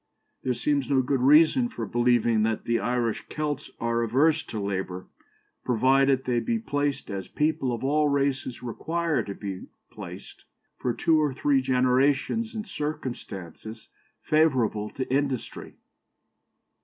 There seems no good reason for believing that the Irish Kelts are averse to labour, provided they be placed, as people of all races require to be placed, for two or three generations in circumstances favourable to industry."